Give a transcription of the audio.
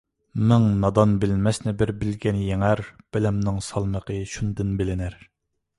مىڭ نادان - بىلمەسنى بىر بىلگەن يېڭەر، بىلىمنىڭ سالمىقى شۇندىن بىلىنەر.